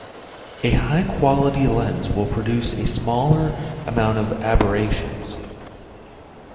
A high quality lens will produce a smaller amount of aberrations.